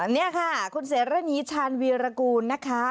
นี่ค่ะคุณเสรณีชาญวีรกูลนะคะ